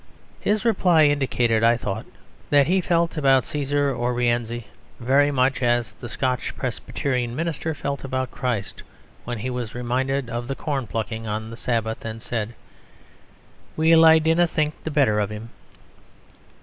His reply indicated, I thought, that he felt about Cæsar or Rienzi very much as the Scotch Presbyterian Minister felt about Christ, when he was reminded of the corn plucking on the Sabbath, and said, "Weel, I dinna think the better of him."